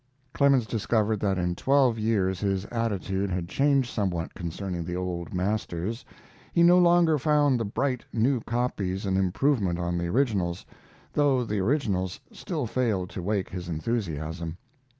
] Clemens discovered that in twelve years his attitude had changed somewhat concerning the old masters. He no longer found the bright, new copies an improvement on the originals, though the originals still failed to wake his enthusiasm.